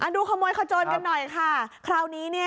ดูขโมยขจนกันหน่อยค่ะคราวนี้เนี่ย